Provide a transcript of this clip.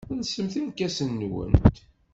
Lsemt irkasen-nwent.